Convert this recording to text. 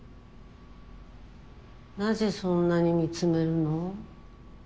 なぜそんなに見つめるの？